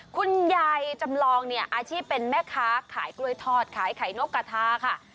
คุณยายจำลองเนี่ยอาชีพเป็นแม่ค้าขายกล้วยทอดขายไข่นกกระทาค่ะ